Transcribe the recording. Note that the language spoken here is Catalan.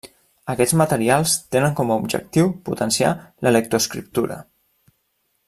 Aquests materials tenen com a objectiu potenciar la lectoescriptura.